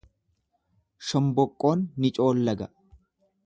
Shomboqqoon ni coollaga.